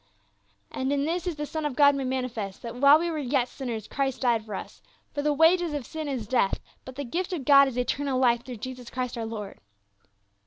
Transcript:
"And in this is the Son of God made manifest, that while we were yet sinners, Christ died for us. For the wages of sin is death ; but the gift of God is eternal life through Jesus Christ, our Lord."